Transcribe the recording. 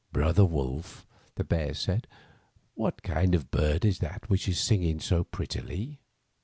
''Bro ther Wolf," the bear said, ''what kind of a bird is that which is singing so pret tily?"